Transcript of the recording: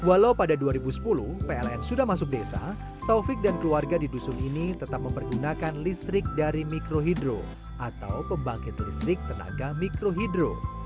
walau pada dua ribu sepuluh pln sudah masuk desa taufik dan keluarga di dusun ini tetap mempergunakan listrik dari mikrohidro atau pembangkit listrik tenaga mikrohidro